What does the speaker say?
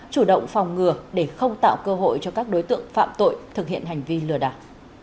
chủ động phòng ngừa để không tạo cơ hội cho các đối tượng phạm tội thực hiện hành vi lừa đảo